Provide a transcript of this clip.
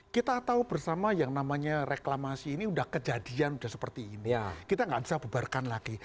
kita tahu bersama yang namanya reklamasi ini sudah kejadian sudah seperti ini kita nggak bisa bubarkan lagi